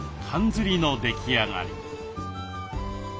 ずりの出来上がり。